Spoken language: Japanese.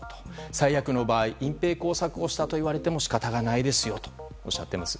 最悪の場合、隠蔽工作をしたと言われても仕方がないですよとおっしゃっています。